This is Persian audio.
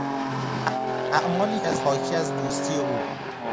اعمالی که حاکی از دوستی او بود